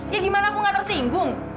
ya gimana aku gak tersinggung